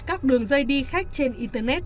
các đường dây đi khách trên internet